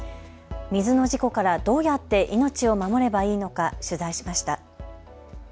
水の事故からどうやって命を守ればいいのか取材しました。